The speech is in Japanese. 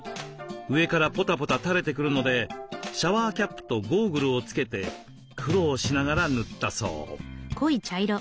上からぽたぽたたれてくるのでシャワーキャップとゴーグルをつけて苦労しながら塗ったそう。